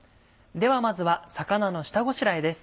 ではまずは魚の下ごしらえです。